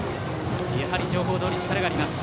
やはり情報どおり力があります。